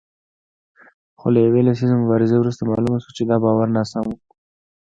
خو له یوې لسیزې مبارزې وروسته معلومه شوه چې دا باور ناسم و